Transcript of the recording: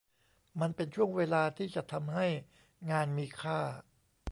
มันเป็นช่วงเวลาที่จะทำให้งานมีค่า